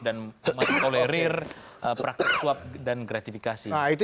dan tolerir praktek swab dan gratifikasi